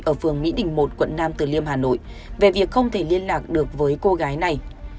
ở phường mỹ đình một quận nam tử liêm hà nội về việc không thể liên lạc được với cô gái này